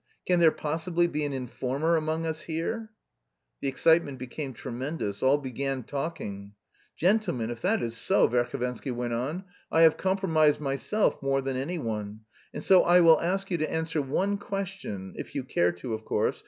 Can there possibly be an informer among us here?" The excitement became tremendous; all began talking. "Gentlemen, if that is so," Verhovensky went on, "I have compromised myself more than anyone, and so I will ask you to answer one question, if you care to, of course.